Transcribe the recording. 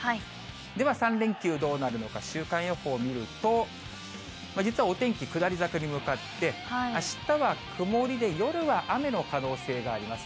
では、３連休どうなるのか、週間予報を見ると、実はお天気下り坂に向かって、あしたは曇りで、夜は雨の可能性があります。